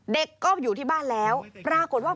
เด็กก็อยู่ที่บ้านแล้วปรากฏว่า